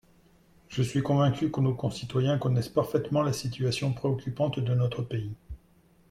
Je suis convaincu que nos concitoyens connaissent parfaitement la situation préoccupante de notre pays.